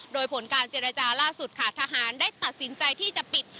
โดยผลการเจรจาล่าสุดค่ะทหารได้ตัดสินใจที่จะปิด